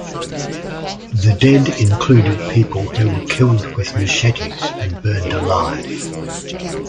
The dead included people who were killed with machetes and burned alive.